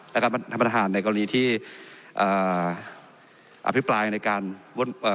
ท่านประธานในกรณีที่เอ่ออภิปรายในการเอ่อ